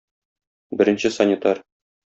Беренче санитар.